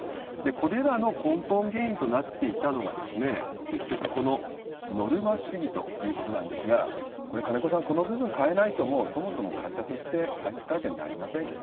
これらの根本原因となっていたのが、結局このノルマ主義ということなんですが、これ、金子さん、この部分変えないと、そもそも会社として体質改善になりませんよね。